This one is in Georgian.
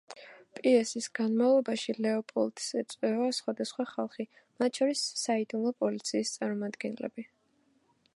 პიესის განმავლობაში, ლეოპოლდს ეწვევა სხვადასხვა ხალხი, მათ შორის საიდუმლო პოლიციის წარმომადგენლები.